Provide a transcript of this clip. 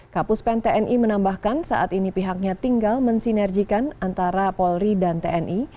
kapus pen tni menambahkan saat ini pihaknya tinggal mensinerjikan antara polri dan tni